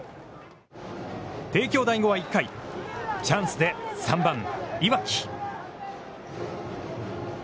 帝京第五は１回チャンスで３番岩来。